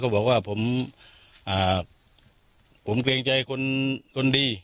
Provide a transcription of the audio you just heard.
เขาบอกว่าผมอ่าผมเกรงใจคนคนดี